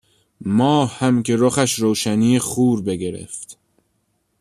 ماهم که رخش روشنی خور بگرفت